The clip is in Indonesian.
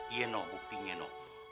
iya noh buktinya noh